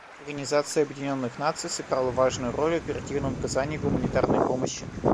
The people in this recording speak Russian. Организация Объединенных Наций сыграла важную роль в оперативном оказании гуманитарной помощи.